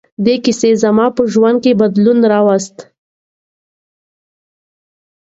دې کیسې زما په ژوند کې بدلون راوست.